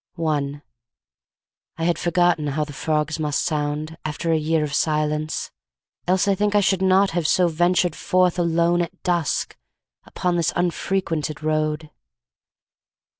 ASSAULT I I had forgotten how the frogs must sound After a year of silence, else I think I should not so have ventured forth alone At dusk upon this unfrequented road.